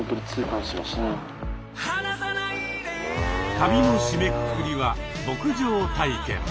旅の締めくくりは牧場体験。